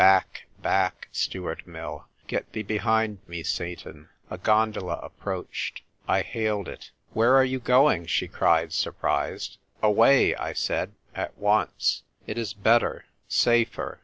Back, back, Stuart Mill ! Get thee behind me, Satan ! A gondola approached. I hailed it. "Where are you going?" she cried, sur prised. "Away," I said, "at once. It is better — safer!